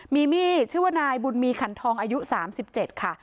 มีมีดชื่อว่านายบุญมีขันทองอายุ๓๗ค่ะ